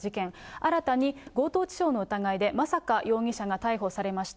新たに強盗致傷の疑いで、真坂容疑者が逮捕されました。